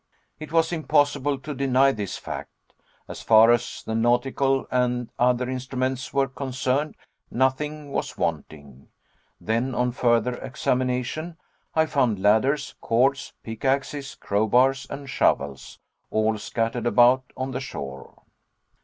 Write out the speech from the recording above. It was impossible to deny this fact. As far as the nautical and other instruments were concerned, nothing was wanting. Then on further examination, I found ladders, cords, pickaxes, crowbars, and shovels, all scattered about on the shore.